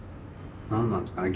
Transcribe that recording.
何なんですかね